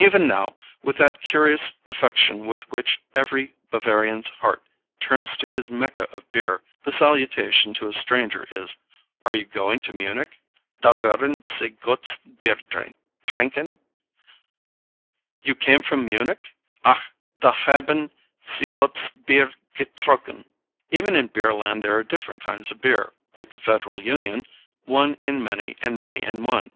Even now, with that curious affection with which every Bavarian's heart turns to his Mecca of beer, the salutation to a stranger is, "Are you going to Munich? Da werden sie gutes Bier trinken."[C] "You came from Munich! Ach! da haben sie gutes Bier getrunken."[D] Even in Beerland there are different kinds of beer, like the federal union, one in many and many in one.